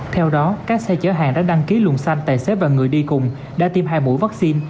theo đó các xe chở hàng đã đăng ký luồng xanh tài xế và người đi cùng đã tiêm hai mũi vaccine